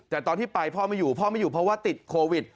แต่ตอนที่ไปพ่อไม่อยู่เพราะว่าติดโควิด